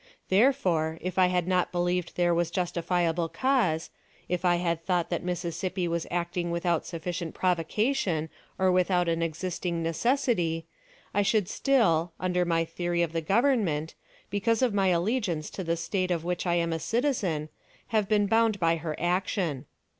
Therefore, if I had not believed there was justifiable cause, if I had thought that Mississippi was acting without sufficient provocation, or without an existing necessity, I should still, under my theory of the Government, because of my allegiance to the State of which I am a citizen, have been bound by her action.